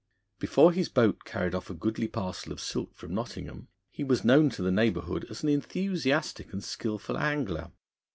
Before his boat carried off a goodly parcel of silk from Nottingham, he was known to the neighbourhood as an enthusiastic and skilful angler.